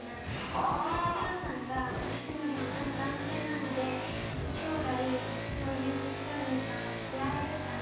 そんなお父さんが私の理想の男性なので将来そういう人が出会えるかな？